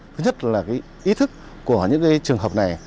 thứ nhất là ý thức của những trường hợp này